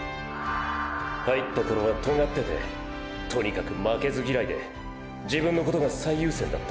入った頃はトガっててとにかく負けず嫌いで自分のことが最優先だった。